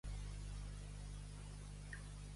Indicació del rei, té força de llei.